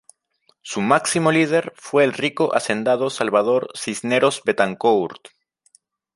Su máximo líder fue el rico hacendado Salvador Cisneros Betancourt.